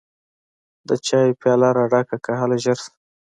د چايو پياله راډکه کړه هله ژر شه!